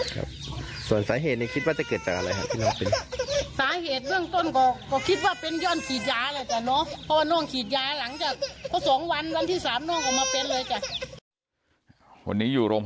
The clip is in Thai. ครับส่วนสาเหตุในคิดว่าจะเกิดจากอะไรครับที่สาเหตุเรื่องต้น